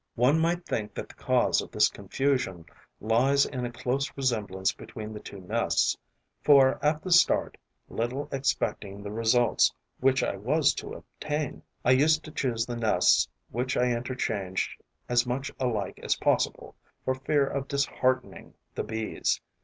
One might think that the cause of this confusion lies in a close resemblance between the two nests, for at the start, little expecting the results which I was to obtain, I used to choose the nests which I interchanged as much alike as possible, for fear of disheartening the Bees.